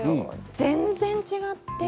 全然違って。